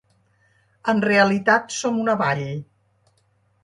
En realitat som una vall.